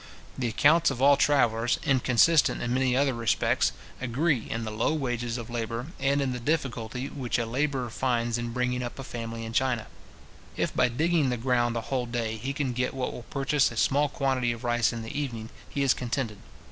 The accounts of all travellers, inconsistent in many other respects, agree in the low wages of labour, and in the difficulty which a labourer finds in bringing up a family in China. If by digging the ground a whole day he can get what will purchase a small quantity of rice in the evening, he is contented.